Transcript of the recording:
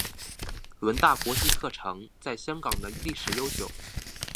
伦大国际课程在香港的历史悠久。